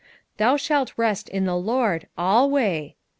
"Thou shalt rest in the Lord ahvay."